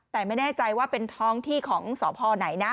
แต่ไม่แน่ใจว่าเป็นท้องที่ของสพไหนนะ